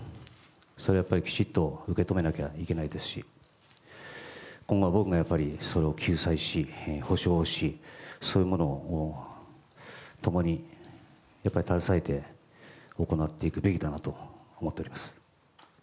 それをきちっと受け止めなきゃいけないですし今後の僕の役割はそれを救済し、補償をしそういうものを共に携えて行っていくべきだなと思っております。